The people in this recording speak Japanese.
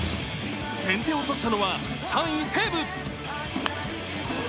先手をとったのは３位・西武。